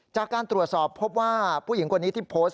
จากการตรวจสอบพบว่าผู้หญิงคนนี้ที่โพสต์